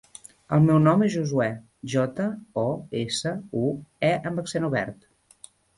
El meu nom és Josuè: jota, o, essa, u, e amb accent obert.